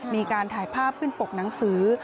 มีการถ่ายภาพขึ้นปกหนังสือ